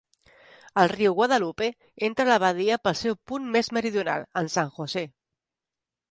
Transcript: El riu Guadalupe entra a la badia pel seu punt més meridional en San José.